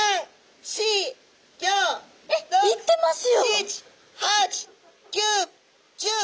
いってますよ！